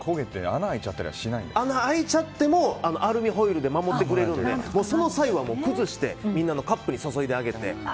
穴が開いちゃってもアルミホイルで守ってくれるのでその際は崩してみんなのカップに注いであげて。